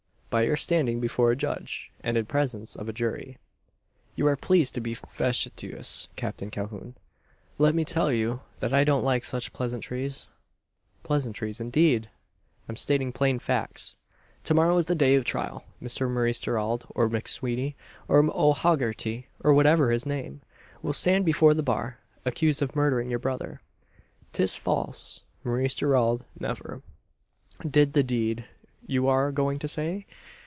"By your standing before a judge, and in presence of a jury." "You are pleased to be facetious, Captain Calhoun. Let me tell you that I don't like such pleasantries " "Pleasantries indeed! I'm stating plain facts. To morrow is the day of trial. Mr Maurice Gerald, or McSweeney, or O'Hogerty, or whatever's his name, will stand before the bar accused of murdering your brother." "'Tis false! Maurice Gerald never " "Did the deed, you are going to say?